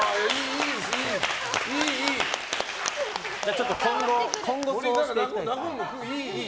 ちょっと今後、そうしていきたいです。